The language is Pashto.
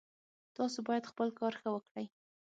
تاسو باید خپل کار ښه وکړئ